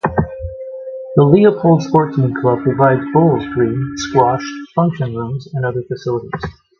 The Leopold Sportsmans Club provides bowls green, squash, function rooms and other facilities.